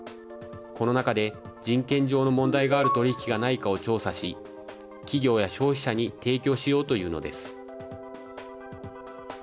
この中で人権上の問題がある取り引きがないかを調査し企業や消費者に提供しようというのです。